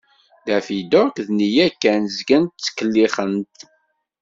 Daffy Duck d nneyya kan, zgan ttkellixen-t.